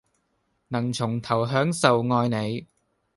能從頭享受愛你